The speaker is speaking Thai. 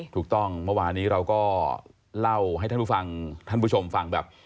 เมื่อวานี้เราก็เล่าให้ท่านผู้ฟังท่านผู้ชมฟังแบบ